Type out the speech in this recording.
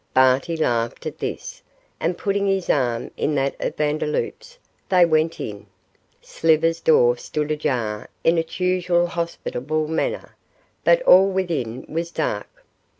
Barty laughed at this, and putting his arm in that of Vandeloup's, they went in. Slivers' door stood ajar in its usual hospitable manner, but all within was dark.